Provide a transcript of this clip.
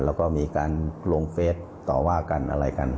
แล้วก็มีการลงเฟสต่อว่ากันอะไรกัน